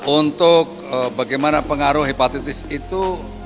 untuk bagaimana pengaruh hepatitis itu